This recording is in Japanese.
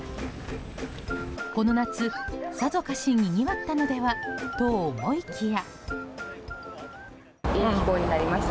この夏、さぞかしにぎわったのではと思いきや。